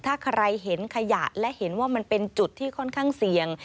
ถ้าใครเห็นขยะและเห็นว่ามันเป็นจุดที่ค่อนข้างเสี่ยง